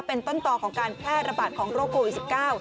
เป็นต้นต่อของการแพร่ระบาดของโรคโควิด๑๙